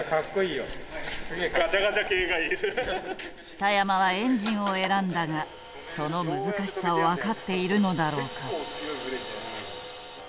北山はエンジンを選んだがその難しさを分かっているのだろうか？